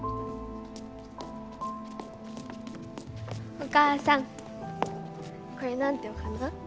お母さんこれ何てお花？